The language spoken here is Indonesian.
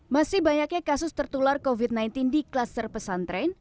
masih banyaknya kasus tertular covid sembilan belas di kluster pesantren